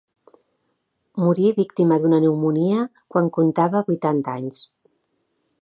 Morí víctima d'una pneumònia quan contava vuitanta anys.